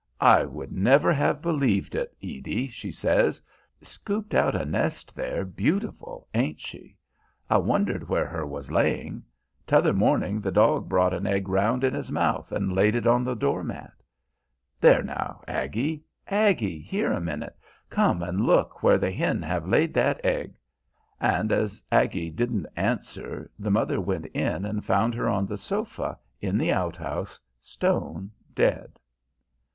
'I would never have believed it, Edie' she says 'scooped out a nest there beautiful, ain't she; I wondered where her was laying. T'other morning the dog brought an egg round in his mouth and laid it on the doormat. There now, Aggie, Aggie, here a minute, come and look where the hen have laid that egg.' And as Aggie didn't answer the mother went in and found her on the sofa in the outhouse, stone dead."